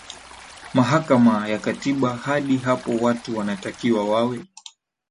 mahakama ya katiba Hadi hapo watu wanatakiwa wawe